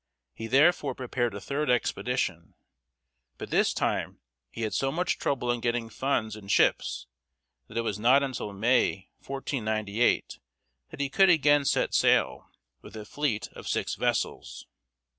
He therefore prepared a third expedition; but this time he had so much trouble in getting funds and ships that it was not till May, 1498, that he could again set sail, with a fleet of six vessels.